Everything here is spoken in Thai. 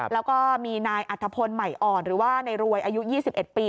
แล้วก็มีนายอัธพลใหม่อ่อนหรือว่าในรวยอายุ๒๑ปี